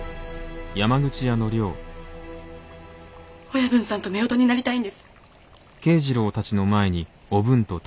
親分さんと夫婦になりたいんです。